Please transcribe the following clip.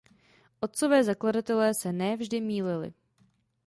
Otcové zakladatelé se ne vždy mýlili.